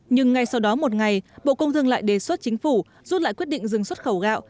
nhưng ngay sau đó một ngày bộ công thương lại đề xuất chính phủ rút lại quyết định dừng xuất khẩu gạo